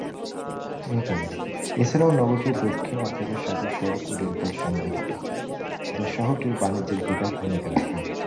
এছাড়া নগরীটি দক্ষিণ আফ্রিকার সাথেও সড়ক ও রেলপথে সংযুক্ত, যা শহরটির বাণিজ্যের বিকাশে ভূমিকা রাখে।